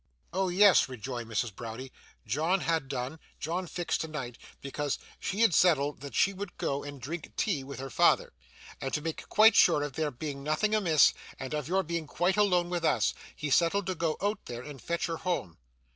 'Oh yes,' rejoined Mrs. Browdie. 'John ha' done. John fixed tonight, because she had settled that she would go and drink tea with her father. And to make quite sure of there being nothing amiss, and of your being quite alone with us, he settled to go out there and fetch her home.